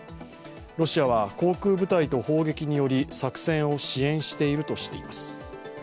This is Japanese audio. ロシアは航空部隊と砲撃により作戦を支援しているとしています。